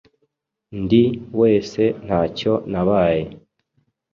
ndi wese ntacyo nabaye